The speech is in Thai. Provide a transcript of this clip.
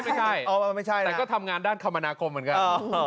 ไม่ใช่แต่ก็ทำงานด้านคมนาคมเหมือนกัน